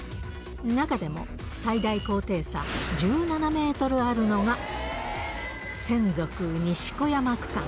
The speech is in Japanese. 中でも、最大高低差１７メートルあるのが、洗足・西小山区間。